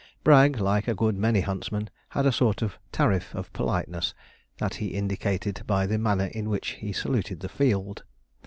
Bragg, like a good many huntsmen, had a sort of tariff of politeness, that he indicated by the manner in which he saluted the field.